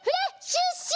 シュッシュ！